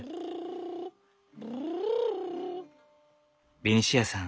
ベニシアさん